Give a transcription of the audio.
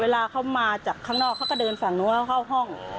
เวลาเขามาจากข้างนอกเขาก็เดินฝั่งนู้นเขาเข้าห้อง